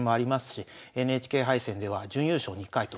ＮＨＫ杯戦では準優勝２回と。